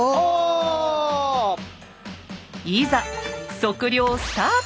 いざ測量スタート！